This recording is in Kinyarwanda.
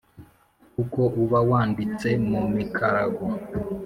kuko uba wanditse mu mikarago